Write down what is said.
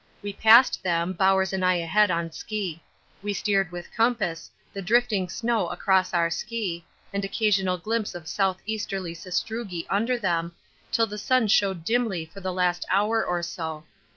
We passed them, Bowers and I ahead on ski. We steered with compass, the drifting snow across our ski, and occasional glimpse of south easterly sastrugi under them, till the sun showed dimly for the last hour or so.